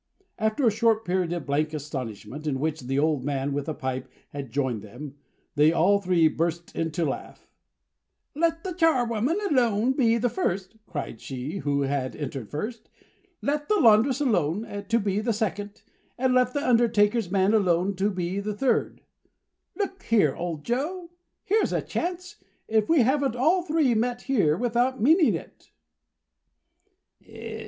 After a short period of blank astonishment, in which the old man with a pipe had joined them, they all three burst into a laugh. "Let the charwoman alone to be the first!" cried she who had entered first. "Let the laundress alone to be the second; and let the undertaker's man alone to be the third. Look here, old Joe, here's a chance! If we haven't all three met here without meaning it!"